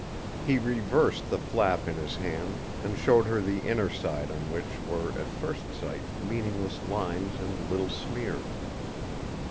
He reversed the flap in his hand and showed her the inner side on which were, at first sight, meaningless lines and little smears.